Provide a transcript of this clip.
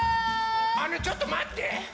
あのちょっとまって！